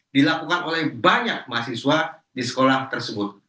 dilakukan oleh banyak mahasiswa di sekolah tersebut